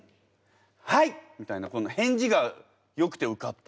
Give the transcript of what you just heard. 「はい！」みたいなこの返事がよくて受かった？